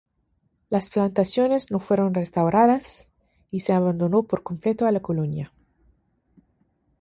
Las plantaciones no fueron restauradas, y se abandonó por completo a la colonia.